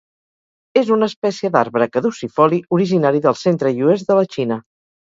És una espècie d'arbre caducifoli originari del centre i oest de la Xina.